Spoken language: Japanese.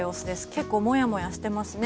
結構、もやもやしてますね。